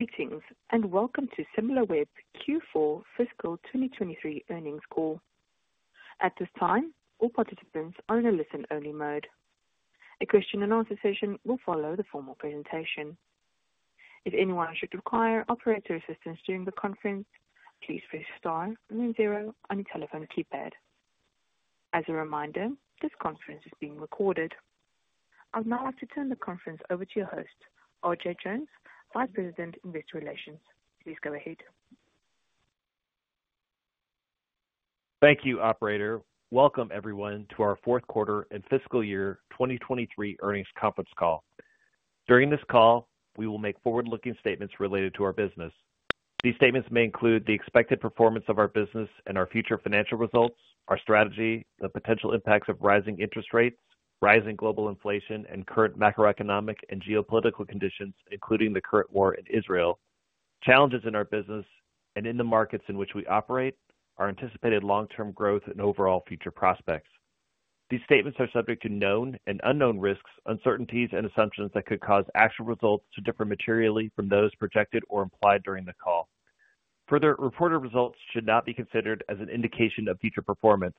Greetings and welcome to Similarweb Q4 Fiscal 2023 Earnings Call. At this time, all participants are in a listen-only mode. A Q&A session will follow the formal presentation. If anyone should require operator assistance during the conference, please press star and then zero on your telephone keypad. As a reminder, this conference is being recorded. I'd now like to turn the conference over to your host, RJ Jones, Vice President Investor Relations. Please go ahead. Thank you, Operator. Welcome, everyone, to our Q4 and Fiscal Year 2023 Earnings Conference Call. During this call, we will make forward-looking statements related to our business. These statements may include the expected performance of our business and our future financial results, our strategy, the potential impacts of rising interest rates, rising global inflation, and current macroeconomic and geopolitical conditions, including the current war in Israel, challenges in our business, and in the markets in which we operate, our anticipated long-term growth and overall future prospects. These statements are subject to known and unknown risks, uncertainties, and assumptions that could cause actual results to differ materially from those projected or implied during the call. Further, reported results should not be considered as an indication of future performance.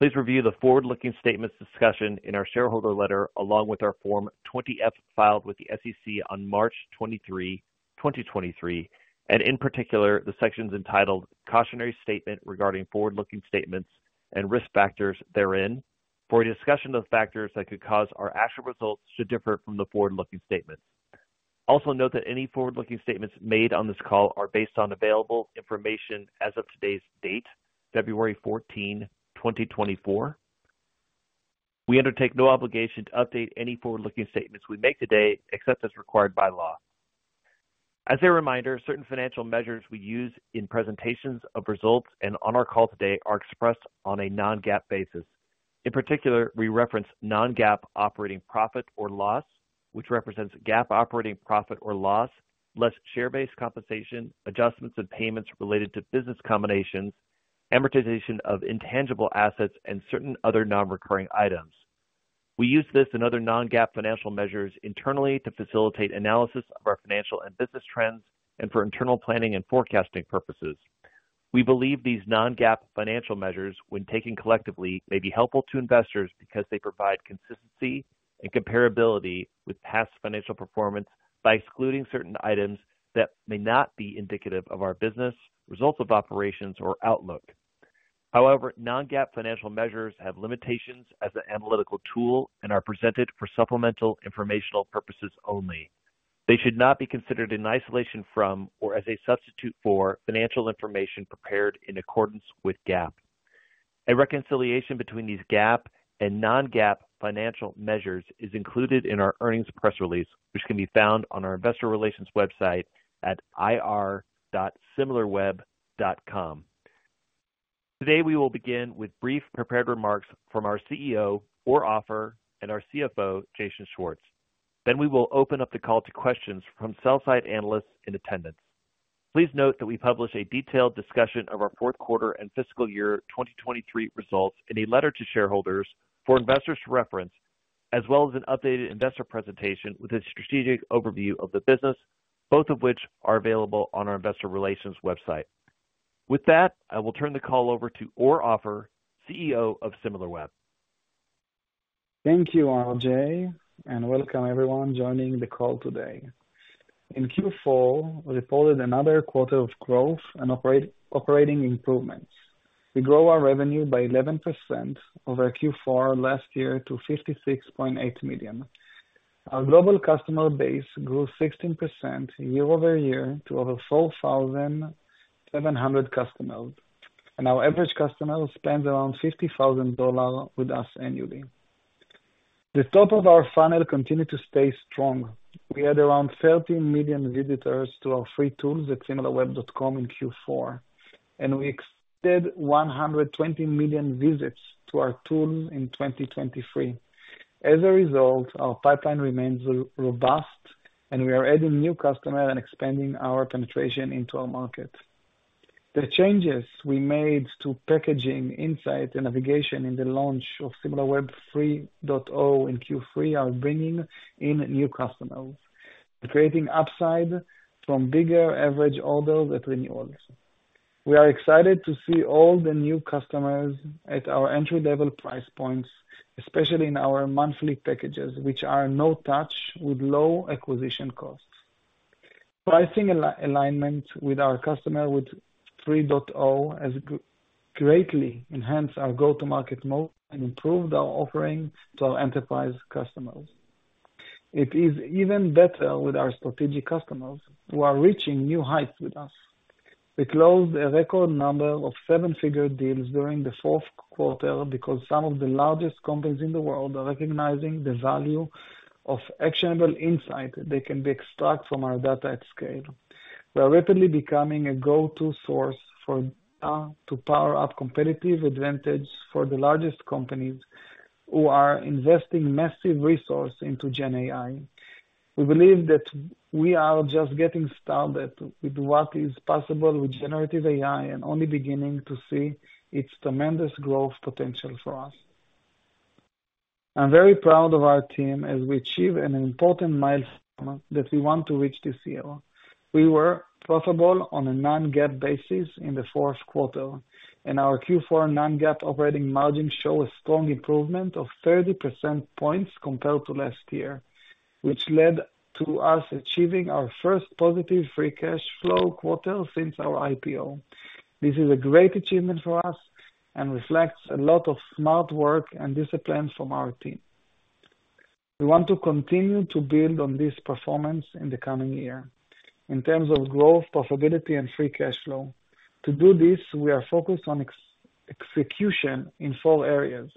Please review the forward-looking statements discussion in our shareholder letter along with our Form 20-F filed with the SEC on March 23, 2023, and in particular, the sections entitled "Cautionary Statement Regarding Forward-Looking Statements and Risk Factors Therein," for a discussion of factors that could cause our actual results to differ from the forward-looking statements. Also note that any forward-looking statements made on this call are based on available information as of today's date, February 14, 2024. We undertake no obligation to update any forward-looking statements we make today except as required by law. As a reminder, certain financial measures we use in presentations of results and on our call today are expressed on a non-GAAP basis. In particular, we reference non-GAAP operating profit or loss, which represents GAAP operating profit or loss, less share-based compensation, adjustments and payments related to business combinations, amortization of intangible assets, and certain other non-recurring items. We use this and other non-GAAP financial measures internally to facilitate analysis of our financial and business trends and for internal planning and forecasting purposes. We believe these non-GAAP financial measures, when taken collectively, may be helpful to investors because they provide consistency and comparability with past financial performance by excluding certain items that may not be indicative of our business, results of operations, or outlook. However, non-GAAP financial measures have limitations as an analytical tool and are presented for supplemental informational purposes only. They should not be considered in isolation from or as a substitute for financial information prepared in accordance with GAAP. A reconciliation between these GAAP and non-GAAP financial measures is included in our earnings press release, which can be found on our investor relations website at ir.similarweb.com. Today, we will begin with brief prepared remarks from our CEO, Or Offer, and our CFO, Jason Schwartz. Then we will open up the call to questions from sell-side analysts in attendance. Please note that we publish a detailed discussion of our Q4 and fiscal year 2023 results in a letter to shareholders for investors to reference, as well as an updated investor presentation with a strategic overview of the business, both of which are available on our investor relations website. With that, I will turn the call over to Or Offer, CEO of Similarweb. Thank you, RJ, and welcome everyone joining the call today. In Q4, we reported another quarter of growth and operating improvements. We grow our revenue by 11% over Q4 last year to $56.8 million. Our global customer base grew 16% year-over-year to over 4,700 customers, and our average customer spends around $50,000 with us annually. The top of our funnel continued to stay strong. We added around 13 million visitors to our free tools at Similarweb.com in Q4, and we extended 120 million visits to our tools in 2023. As a result, our pipeline remains robust, and we are adding new customers and expanding our penetration into our market. The changes we made to packaging, insight, and navigation in the launch of Similarweb 3.0 in Q3 are bringing in new customers and creating upside from bigger average orders at renewals. We are excited to see all the new customers at our entry-level price points, especially in our monthly packages, which are no-touch with low acquisition costs. Pricing alignment with our customer with 3.0 has greatly enhanced our go-to-market moat and improved our offering to our enterprise customers. It is even better with our strategic customers who are reaching new heights with us. We closed a record number of seven-figure deals during the Q4 because some of the largest companies in the world are recognizing the value of actionable insight that can be extracted from our data at scale. We are rapidly becoming a go-to source to power up competitive advantage for the largest companies who are investing massive resources into GenAI. We believe that we are just getting started with what is possible with generative AI and only beginning to see its tremendous growth potential for us. I'm very proud of our team as we achieve an important milestone that we want to reach this year. We were profitable on a non-GAAP basis in the Q4, and our Q4 non-GAAP operating margins show a strong improvement of 30 percentage points compared to last year, which led to us achieving our first positive free cash flow quarter since our IPO. This is a great achievement for us and reflects a lot of smart work and discipline from our team. We want to continue to build on this performance in the coming year in terms of growth, profitability, and free cash flow. To do this, we are focused on execution in four areas.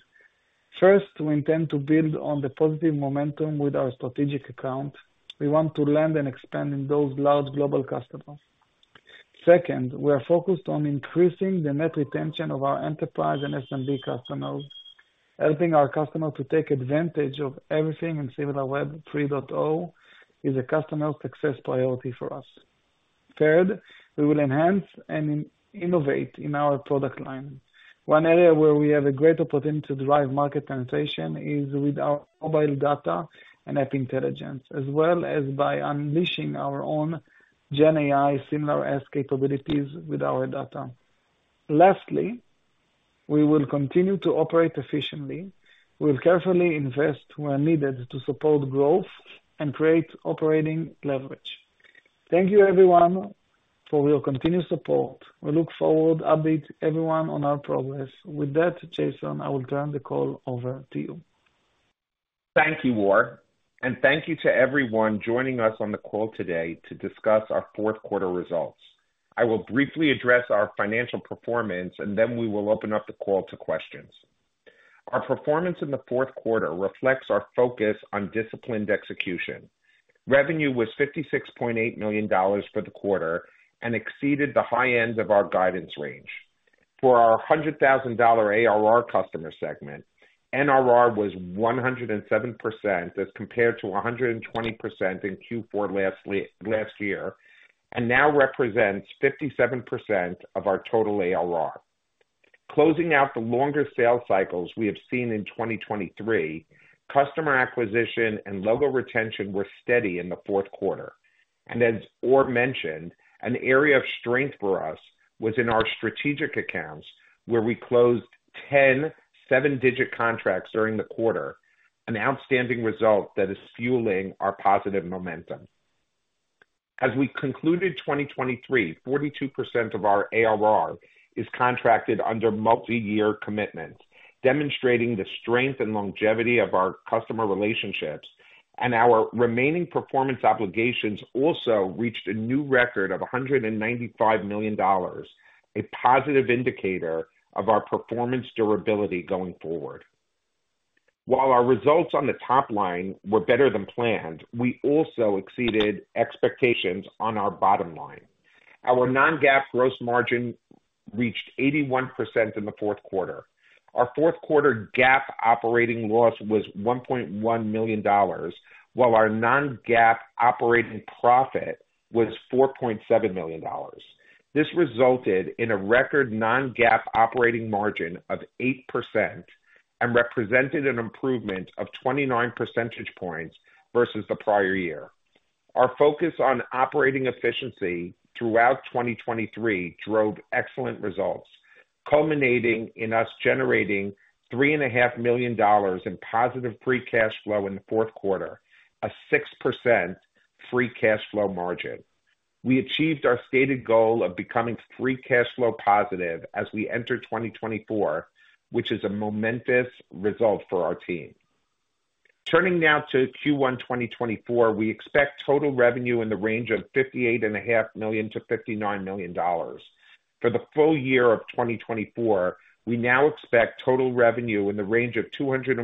First, we intend to build on the positive momentum with our strategic account. We want to land and expand in those large global customers. Second, we are focused on increasing the net retention of our enterprise and SMB customers. Helping our customers to take advantage of everything in Similarweb 3.0 is a customer success priority for us. Third, we will enhance and innovate in our product line. One area where we have a great opportunity to drive market penetration is with our mobile data and app intelligence, as well as by unleashing our own GenAI [similar as] capabilities with our data. Lastly, we will continue to operate efficiently. We will carefully invest where needed to support growth and create operating leverage. Thank you, everyone, for your continued support. We look forward to updating everyone on our progress. With that, Jason, I will turn the call over to you. Thank you, Or, and thank you to everyone joining us on the call today to discuss our Q4 results. I will briefly address our financial performance, and then we will open up the call to questions. Our performance in the Q4 reflects our focus on disciplined execution. Revenue was $56.8 million for the quarter and exceeded the high end of our guidance range. For our $100,000 ARR customer segment, NRR was 107% as compared to 120% in Q4 last year and now represents 57% of our total ARR. Closing out the longer sales cycles we have seen in 2023, customer acquisition and logo retention were steady in the Q4. As Or mentioned, an area of strength for us was in our strategic accounts where we closed 10 seven-digit contracts during the quarter, an outstanding result that is fueling our positive momentum. As we concluded 2023, 42% of our ARR is contracted under multi-year commitments, demonstrating the strength and longevity of our customer relationships, and our remaining performance obligations also reached a new record of $195 million, a positive indicator of our performance durability going forward. While our results on the top line were better than planned, we also exceeded expectations on our bottom line. Our non-GAAP gross margin reached 81% in the Q4. Our Q4 GAAP operating loss was $1.1 million, while our non-GAAP operating profit was $4.7 million. This resulted in a record non-GAAP operating margin of 8% and represented an improvement of 29 percentage points versus the prior year. Our focus on operating efficiency throughout 2023 drove excellent results, culminating in us generating $3.5 million in positive free cash flow in the Q4, a 6% free cash flow margin. We achieved our stated goal of becoming free cash flow positive as we enter 2024, which is a momentous result for our team. Turning now to Q1 2024, we expect total revenue in the range of $58.5-$59 million. For the full year of 2024, we now expect total revenue in the range of $242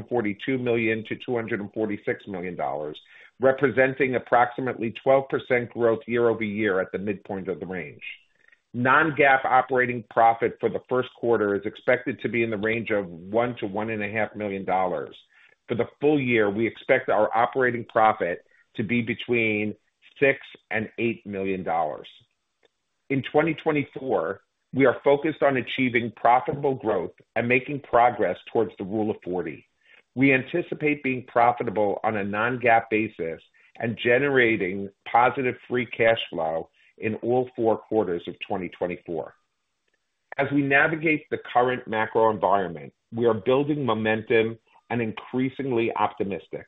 million-$246 million, representing approximately 12% growth year-over-year at the midpoint of the range. Non-GAAP operating profit for the Q1 is expected to be in the range of $1 million-$1.5 million. For the full year, we expect our operating profit to be between $6 million and $8 million. In 2024, we are focused on achieving profitable growth and making progress towards the Rule of 40. We anticipate being profitable on a non-GAAP basis and generating positive free cash flow in all Q4 of 2024. As we navigate the current macro environment, we are building momentum and increasingly optimistic.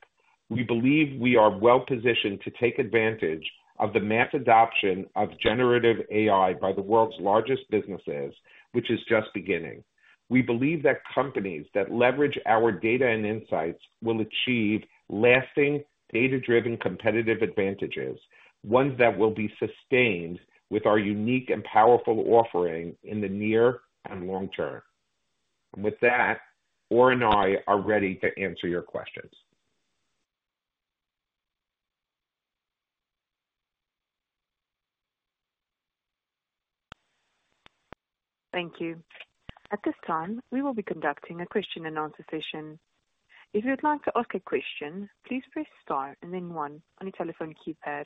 We believe we are well-positioned to take advantage of the mass adoption of generative AI by the world's largest businesses, which is just beginning. We believe that companies that leverage our data and insights will achieve lasting, data-driven competitive advantages, ones that will be sustained with our unique and powerful offering in the near and long term. With that, Or and I are ready to answer your questions. Thank you. At this time, we will be conducting a Q&A session. If you would like to ask a question, please press star and then one on your telephone keypad.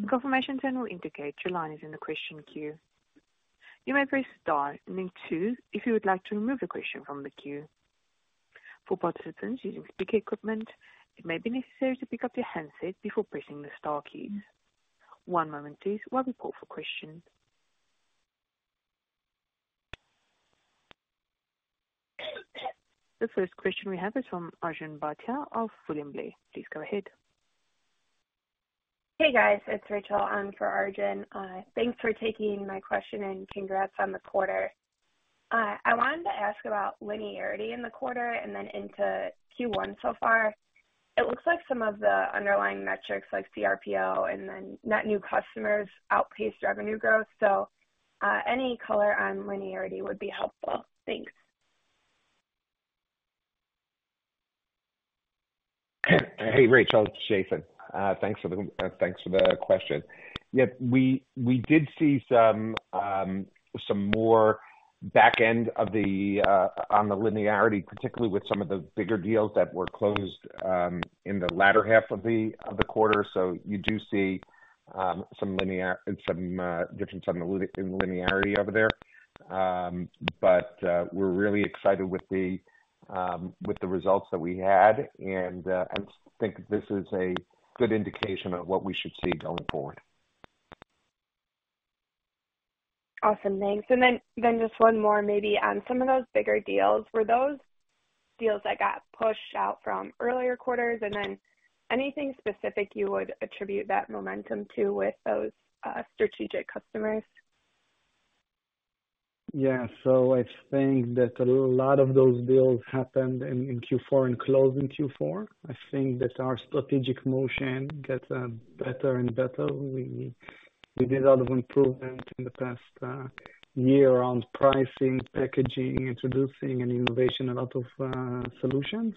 The confirmation tone will indicate your line is in the question queue. You may press star and then two if you would like to remove a question from the queue. For participants using speaker equipment, it may be necessary to pick up your handset before pressing the star keys. One moment, please, while we call for questions. The first question we have is from Arjun Bhatia of William Blair. Please go ahead. Hey, guys. It's Rachel. I'm for Arjun. Thanks for taking my question and congrats on the quarter. I wanted to ask about linearity in the quarter and then into Q1 so far. It looks like some of the underlying metrics like CRPO and then net new customers outpaced revenue growth. So, any color on linearity would be helpful. Thanks. Hey, Rachel. It's Jason. Thanks for the question. Yeah, we did see some more backend on the linearity, particularly with some of the bigger deals that were closed in the latter half of the quarter. So you do see some difference in linearity over there. But we're really excited with the results that we had and think this is a good indication of what we should see going forward. Awesome. Thanks. And then just one more, maybe on some of those bigger deals, were those deals that got pushed out from earlier quarters? And then anything specific you would attribute that momentum to with those strategic customers? Yeah. So, I think that a lot of those deals happened in Q4 and closed in Q4. I think that our strategic motion gets better and better. We did a lot of improvement in the past year around pricing, packaging, introducing, and innovation a lot of solutions.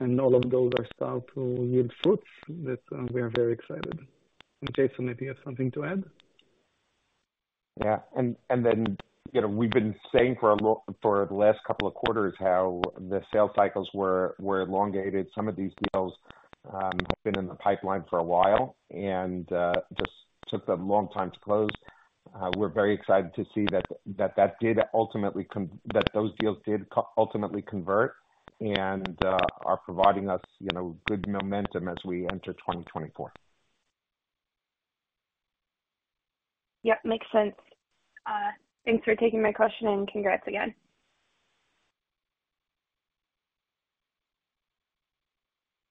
And all of those are starting to yield fruits. We are very excited. And Jason, if you have something to add. Yeah. Then we've been saying for the last couple of quarters how the sales cycles were elongated. Some of these deals have been in the pipeline for a while and just took a long time to close. We're very excited to see that those deals did ultimately convert and are providing us good momentum as we enter 2024. Yep. Makes sense. Thanks for taking my question and congrats again.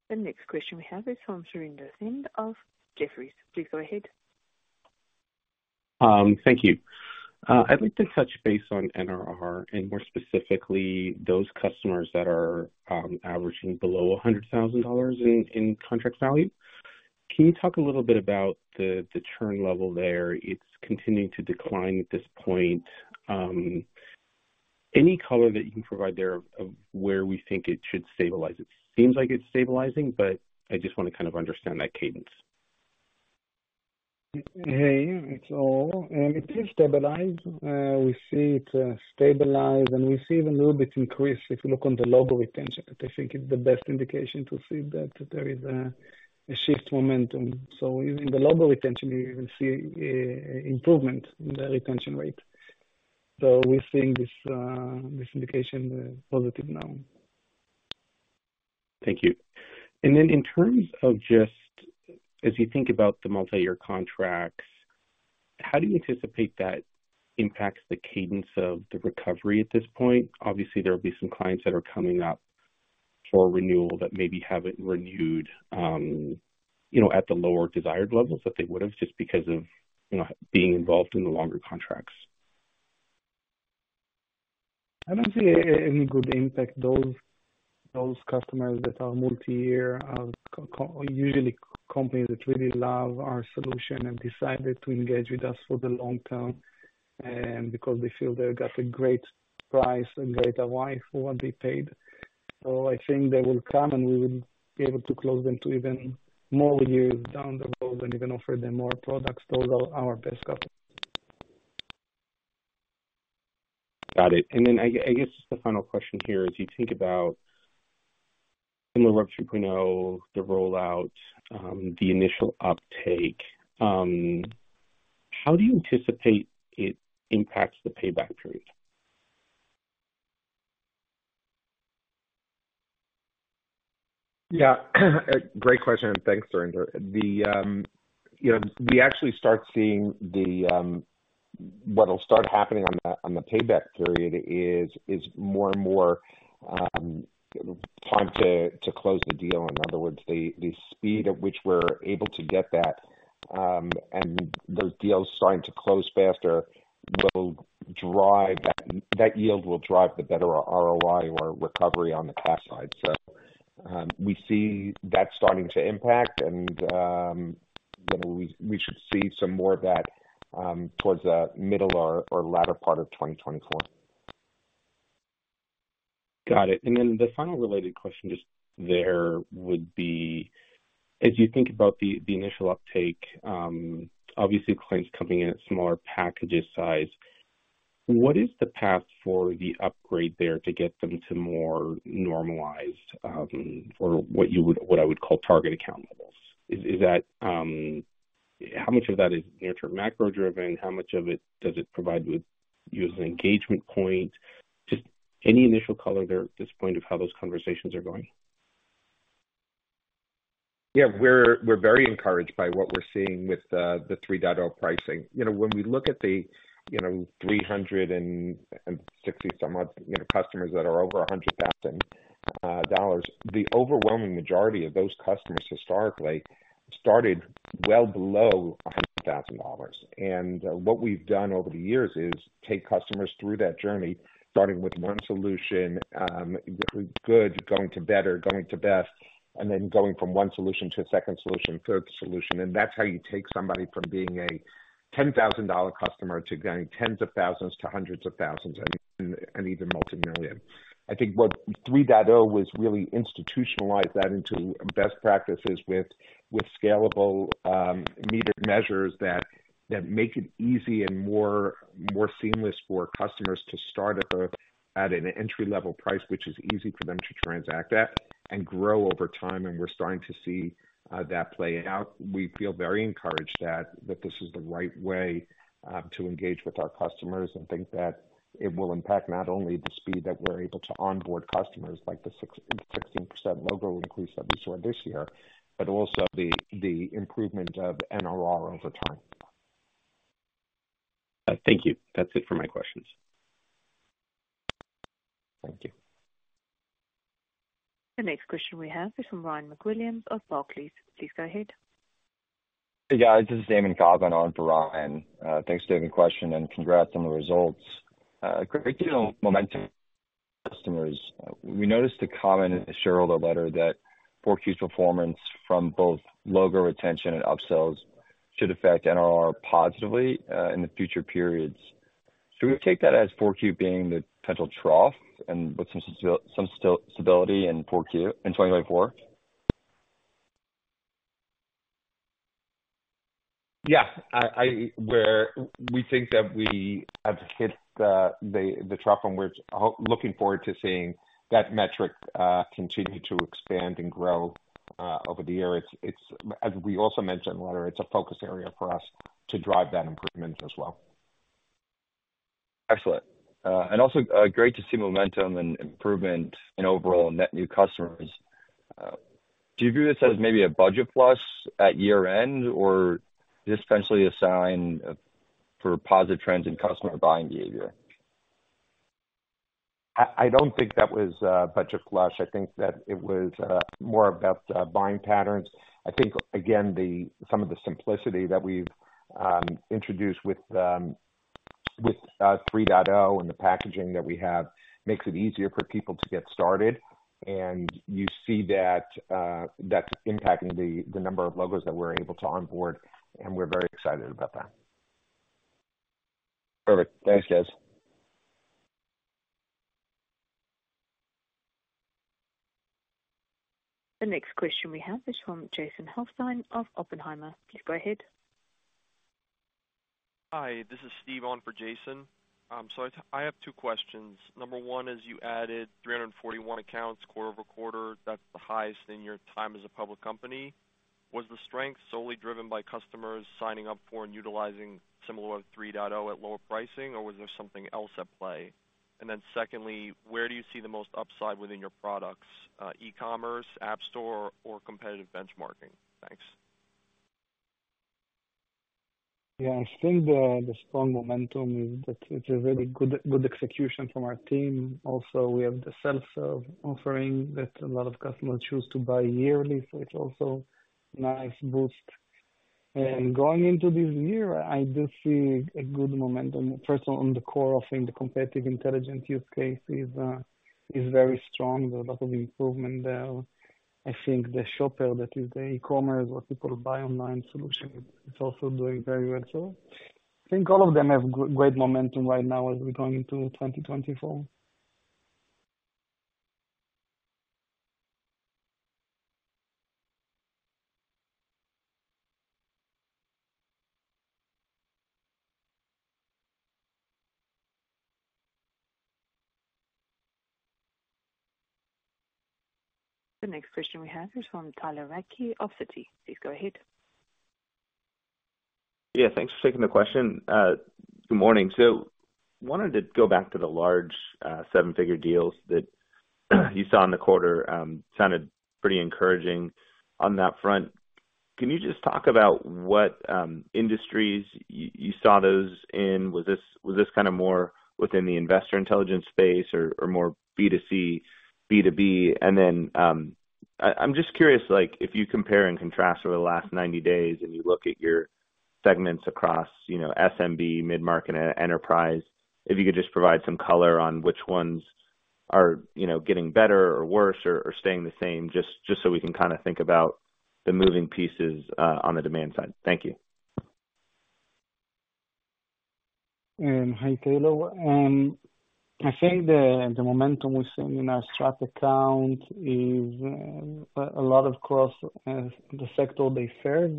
The next question we have is from Surinder Thind of Jefferies. Please go ahead. Thank you. I'd like to touch base on NRR and more specifically those customers that are averaging below $100,000 in contract value. Can you talk a little bit about the churn level there? It's continuing to decline at this point. Any color that you can provide there of where we think it should stabilize? It seems like it's stabilizing, but I just want to kind of understand that cadence. Hey, it's all. It did stabilize. We see it stabilize, and we see even a little bit increase if you look on the logo retention. I think it's the best indication to see that there is a shift momentum. So even in the logo retention, you even see improvement in the retention rate. So we're seeing this indication positive now. Thank you. Then in terms of just as you think about the multi-year contracts, how do you anticipate that impacts the cadence of the recovery at this point? Obviously, there will be some clients that are coming up for renewal that maybe haven't renewed at the lower desired levels that they would have just because of being involved in the longer contracts. I don't see any good impact. Those customers that are multi-year are usually companies that really love our solution and decided to engage with us for the long term because they feel they got a great price and great ROI for what they paid. So I think they will come, and we will be able to close them to even more years down the road and even offer them more products. Those are our best customers. Got it. And then I guess just the final question here is, as you think about Similarweb 3.0, the rollout, the initial uptake, how do you anticipate it impacts the payback period? Yeah. Great question. Thanks, Surinder. We actually start seeing the what'll start happening on the payback period is more and more time to close the deal. In other words, the speed at which we're able to get that and those deals starting to close faster will drive that yield will drive the better ROI or recovery on the cash side. So we see that starting to impact, and we should see some more of that towards the middle or latter part of 2024. Got it. And then the final related question just there would be, as you think about the initial uptake, obviously, clients coming in at smaller package sizes, what is the path for the upgrade there to get them to more normalized or what I would call target account levels? How much of that is near-term macro-driven? How much of it does it provide with you as an engagement point? Just any initial color there at this point of how those conversations are going? Yeah. We're very encouraged by what we're seeing with the $3.0 pricing. When we look at the 360-some-odd customers that are over $100,000, the overwhelming majority of those customers historically started well below $100,000. And what we've done over the years is take customers through that journey, starting with one solution, good, going to better, going to best, and then going from one solution to a second solution, third solution. And that's how you take somebody from being a $10,000 customer to going tens of thousands to hundreds of thousands and even multimillion. I think what 3.0 was really institutionalize that into best practices with scalable metered measures that make it easy and more seamless for customers to start at an entry-level price, which is easy for them to transact at, and grow over time. And we're starting to see that play out. We feel very encouraged that this is the right way to engage with our customers and think that it will impact not only the speed that we're able to onboard customers like the 16% logo increase that we saw this year, but also the improvement of NRR over time. Thank you. That's it for my questions. Thank you. The next question we have is from Ryan McWilliams of Barclays. Please go ahead. Yeah. This is Damon [Cobb] and I'm for Ryan. Thanks for taking my question, and congrats on the results. Great deal momentum for customers. We noticed a comment in the shareholder letter that Q4s performance from both logo retention and upsells should affect NRR positively in the future periods. Should we take that as Q4 being the potential trough and with some stability in 2024? Yeah. We think that we have hit the trough and we're looking forward to seeing that metric continue to expand and grow over the year. As we also mentioned in the letter, it's a focus area for us to drive that improvement as well. Excellent. Also great to see momentum and improvement in overall net new customers. Do you view this as maybe a budget flush at year-end, or is this potentially a sign for positive trends in customer buying behavior? I don't think that was a budget flush. I think that it was more about buying patterns. I think, again, some of the simplicity that we've introduced with 3.0 and the packaging that we have makes it easier for people to get started. And you see that that's impacting the number of logos that we're able to onboard, and we're very excited about that. Perfect. Thanks, guys. The next question we have is from Jason Helfstein of Oppenheimer. Please go ahead. Hi. This is Steve on for Jason. I have two questions. Number one is you added 341 accounts quarter-over-quarter. That's the highest in your time as a public company. Was the strength solely driven by customers signing up for and utilizing Similarweb 3.0 at lower pricing, or was there something else at play? And then secondly, where do you see the most upside within your products, e-commerce, app store, or competitive benchmarking? Thanks. Yeah. I think the strong momentum is that it's a really good execution from our team. Also, we have the self-serve offering that a lot of customers choose to buy yearly, so it's also a nice boost. And going into this year, I do see a good momentum. First of all, on the core of things, the competitive intelligence use case is very strong. There's a lot of improvement there. I think the shopper that is the e-commerce or people buy online solution, it's also doing very well. So, I think all of them have great momentum right now as we're going into 2024. The next question we have is from Tyler Radke of Citi. Please go ahead. Yeah. Thanks for taking the question. Good morning. So wanted to go back to the large seven-figure deals that you saw in the quarter. Sounded pretty encouraging on that front. Can you just talk about what industries you saw those in? Was this kind of more within the investor intelligence space or more B2C, B2B? And then I'm just curious if you compare and contrast over the last 90 days and you look at your segments across SMB, mid-market, and enterprise, if you could just provide some color on which ones are getting better or worse or staying the same, just so we can kind of think about the moving pieces on the demand side. Thank you. Hi, Tyler. I think the momentum we're seeing in our strat account is a lot across the sectors they serve.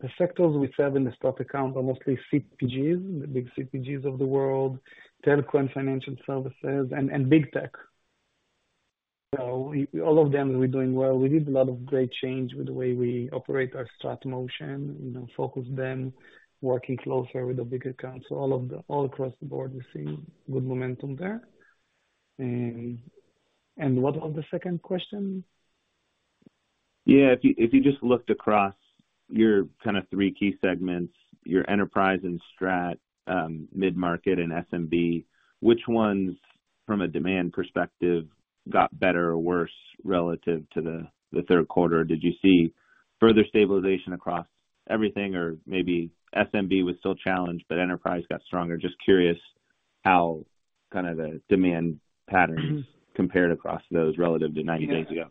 The sectors we serve in the stock account are mostly CPGs, the big CPGs of the world, telco and financial services, and big tech. So, all of them, we're doing well. We did a lot of great change with the way we operate our strat motion, focused them, working closer with the big accounts. So, all across the board, we see good momentum there. And what was the second question? Yeah. If you just looked across your kind of three key segments, your enterprise and strat, mid-market, and SMB, which ones, from a demand perspective, got better or worse relative to the Q3? Did you see further stabilization across everything, or maybe SMB was still challenged, but enterprise got stronger? Just curious how kind of the demand patterns compared across those relative to 90 days ago.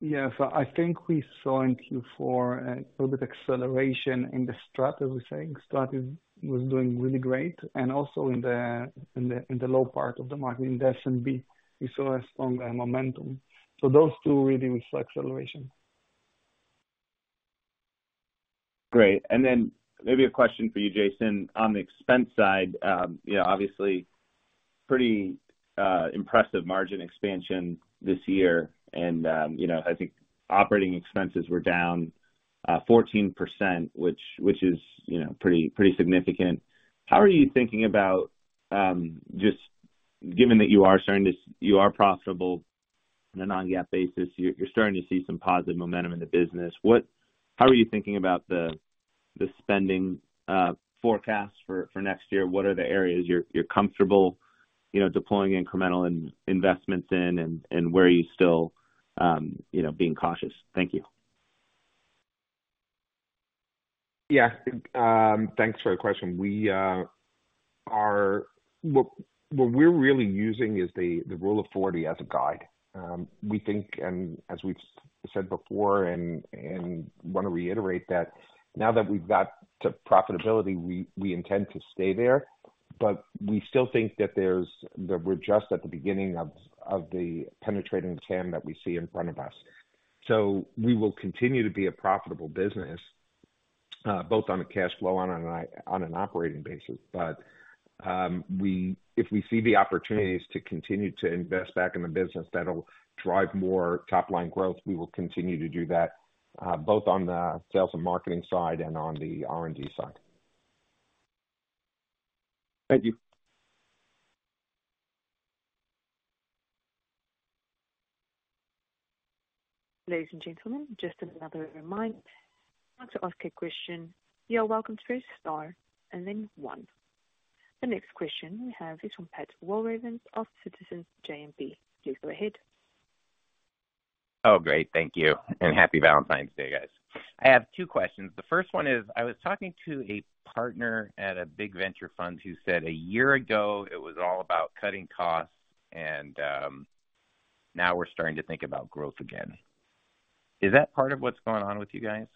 Yeah. I think we saw in Q4 a little bit of acceleration in the strat, as we're saying. Strat was doing really great. Also in the low part of the market, in the SMB, we saw a stronger momentum. Those two really reflect acceleration. Great. And then maybe a question for you, Jason. On the expense side, obviously, pretty impressive margin expansion this year. And I think operating expenses were down 14%, which is pretty significant. How are you thinking about just given that you are starting to you are profitable on a non-GAAP basis. You're starting to see some positive momentum in the business. How are you thinking about the spending forecast for next year? What are the areas you're comfortable deploying incremental investments in and where are you still being cautious? Thank you. Yeah. Thanks for the question. What we're really using is the Rule of 40 as a guide. We think, and as we've said before and want to reiterate, that now that we've got to profitability, we intend to stay there. But we still think that we're just at the beginning of the penetrating TAM that we see in front of us. So we will continue to be a profitable business both on a cash flow on an operating basis. But if we see the opportunities to continue to invest back in the business that'll drive more top-line growth, we will continue to do that both on the sales and marketing side and on the R&D side. Thank you. Ladies and gentlemen, just another reminder. If you'd like to ask a question, you're welcome to press star one. The next question we have is from Pat Walravens of Citizens JMP. Please go ahead. Oh, great. Thank you. And happy Valentine's Day, guys. I have two questions. The first one is I was talking to a partner at a big venture fund who said a year ago, it was all about cutting costs, and now we're starting to think about growth again. Is that part of what's going on with you guys?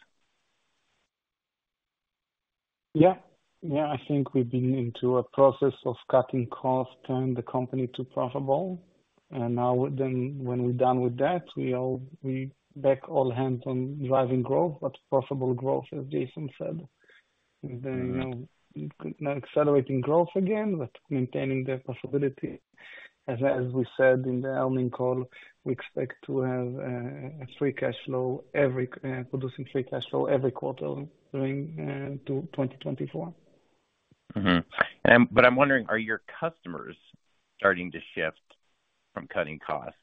Yeah. Yeah. I think we've been in a process of cutting costs and the company to profitable. Now when we're done with that, we back all hands on driving growth, but profitable growth, as Jason said. Accelerating growth again, but maintaining the possibility. As we said in the earnings call, we expect to have a free cash flow producing free cash flow every quarter during 2024. I'm wondering, are your customers starting to shift from cutting costs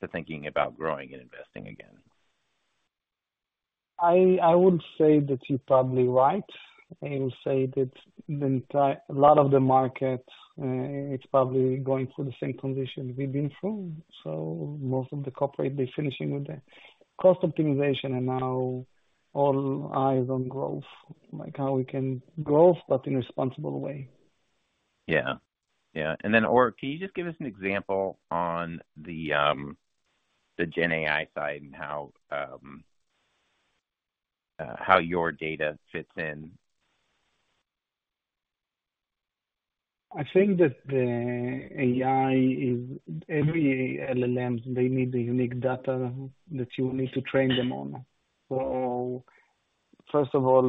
to thinking about growing and investing again? I wouldn't say that you're probably right. I will say that a lot of the market, it's probably going through the same condition we've been through. So most of the corporate, they're finishing with the cost optimization and now all eyes on growth, like how we can grow, but in a responsible way. Yeah. Yeah. And then, Or, can you just give us an example on the GenAI side and how your data fits in? I think that the AI is every LLM, they need the unique data that you need to train them on. So first of all,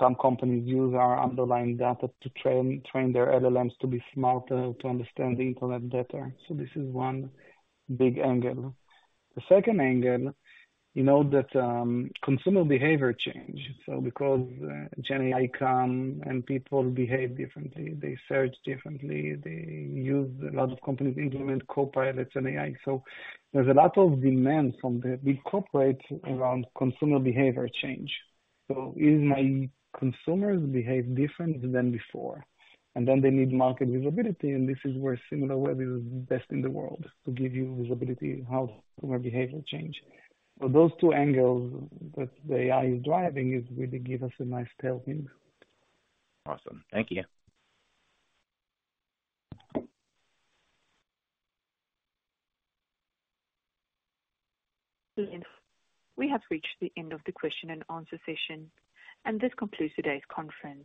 some companies use our underlying data to train their LLMs to be smarter, to understand the internet better. So this is one big angle. The second angle, you know that consumer behavior changed. So because GenAI come and people behave differently, they search differently. A lot of companies implement Copilot and AI. So there's a lot of demand from the big corporate around consumer behavior change. So is my consumers behave different than before? And then they need market visibility. And this is where Similarweb is best in the world to give you visibility how consumer behavior change. So those two angles that the AI is driving really give us a nice tailwind. Awesome. Thank you. We have reached the end of the Q&A session, and this concludes today's conference.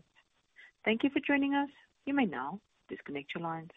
Thank you for joining us. You may now disconnect your lines.